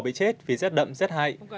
bị chết vì rết đậm rết hại